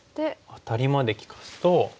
アタリまで利かすと。